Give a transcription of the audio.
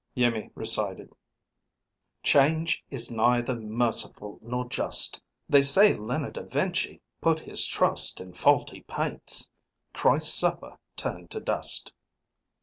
Iimmi recited: "_Change is neither merciful nor just. They say Leonard of Vinci put his trust in faulty paints: Christ's Supper turned to dust.